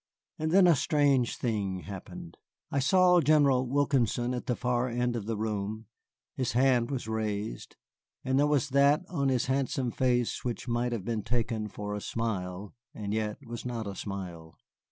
And then a strange thing happened. I saw General Wilkinson at the far end of the room; his hand was raised, and there was that on his handsome face which might have been taken for a smile, and yet was not a smile.